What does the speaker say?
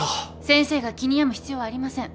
先生が気に病む必要はありません。